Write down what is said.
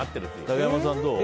竹山さん、どう？